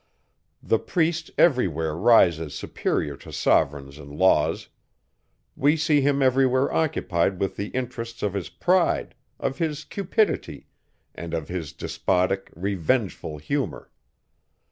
The priest every where rises superior to sovereigns and laws; we see him every where occupied with the interests of his pride, of his cupidity, and of his despotic, revengeful humour.